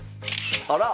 あら！